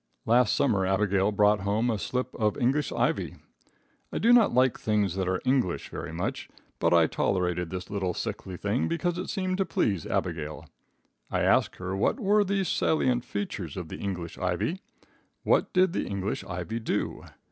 Last summer Abigail brought home a slip of English ivy. I do not like things that are English very much, but I tolerated this little sickly thing because it seemed to please Abigail. I asked her what were the salient features of the English ivy. What did the English ivy do?